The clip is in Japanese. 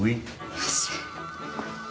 よし。